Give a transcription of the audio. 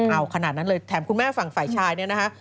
เอาขนาดนั้นเลยแถมคุณแม่ฝั่งฝ่ายชายเนี่ยนะคะ